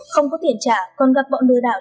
không có tiền trả còn gặp bọn lừa đảo